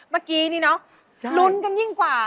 เมื่อกี้นี่เนอะลุ้นกันยิ่งกว่า